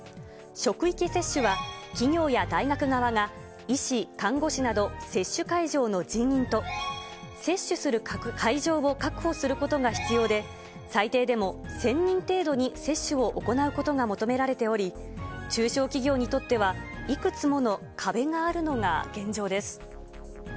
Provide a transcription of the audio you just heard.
職域接種は、企業や大学側が、医師、看護師など接種会場の人員と、接種する会場を確保することが必要で、最低でも１０００人程度に接種を行うことが求められており、中小企業にとっては、いくつもの壁があるのが現状です。